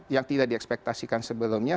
yang tidak di ekspektasikan sebelumnya